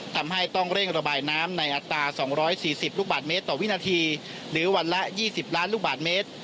ทำให้ต้องเร่งระบายน้ำในอัตรา๒๔๐ลูกบาทเมตรต่อวินาทีหรือวันละ๒๐ล้านลูกบาทเมตร